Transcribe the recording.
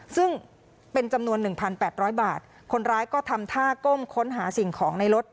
ซึ่งเป็นจำนวนหนึ่งพันแปดร้อยบาทคนร้ายก็ทำท่าก้มค้นหาสิ่งของในรถ